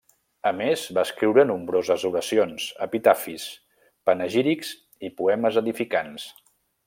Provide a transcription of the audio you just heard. A més, va escriure nombroses, oracions, epitafis, panegírics, i poemes edificants.